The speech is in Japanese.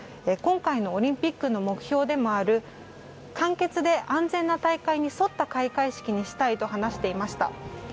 今回のオリンピックの目標でもある簡潔で安全な大会に沿った開会式にしたいと話していました。